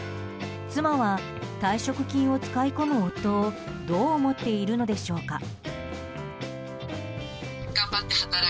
妻は、退職金を使い込む夫をどう思っているのでしょうか。